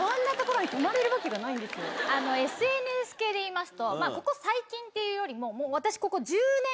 ＳＮＳ系でいいますとここ最近っていうよりも私。